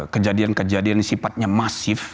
kejadian kejadian yang sifatnya masif